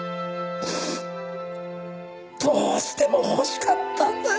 どうしても欲しかったんだよ